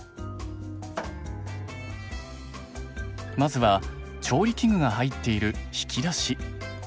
まずは調理器具が入っている引き出し。